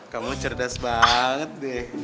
kamu cerdas banget deh